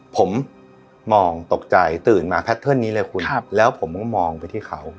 ผมมองตกใจตื่นมานี้เลยคุณครับแล้วผมก็มองไปที่เขาครับ